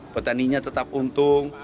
pertanianya tetap untung